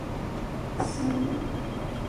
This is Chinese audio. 迪乐芬妮出生于英国伦敦。